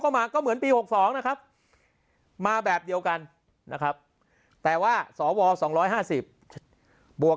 มาก็เหมือนปี๖๒นะครับมาแบบเดียวกันนะครับแต่ว่าสว๒๕๐บวก